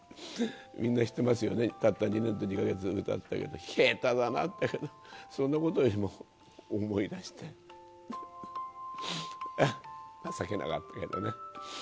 みんな知ってますよね、たった２年と２か月で歌ったけど、下手だなって、そんなことも思い出して、情けなかったけどね。